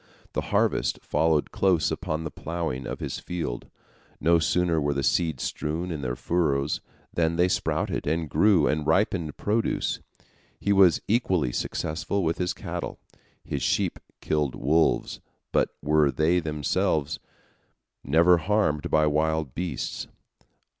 The harvest followed close upon the ploughing of his field; no sooner were the seeds strewn in the furrows, than they sprouted and grew and ripened produce. He was equally successful with his cattle. His sheep killed wolves, but were themselves never harmed by wild beasts.